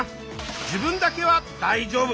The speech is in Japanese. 「自分だけは大丈夫？」